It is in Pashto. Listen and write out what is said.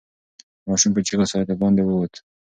ماشوم په چیغو سره د باندې ووت.